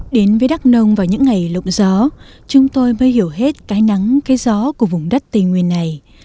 đến với đắk nông vào những ngày lộng gió chúng tôi mới hiểu hết cái nắng cái gió của vùng đất tây nguyên này